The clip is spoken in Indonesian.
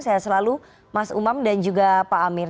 saya selalu mas umam dan juga pak amir